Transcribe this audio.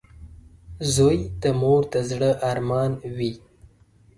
• زوی د مور د زړۀ ارمان وي.